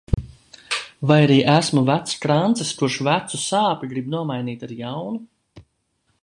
Vai arī esmu vecs krancis, kurš vecu sāpi grib nomainīt ar jaunu?